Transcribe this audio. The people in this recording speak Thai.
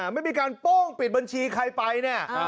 ไม่มีการโป้งปิดบัญชีใครไปเนี่ย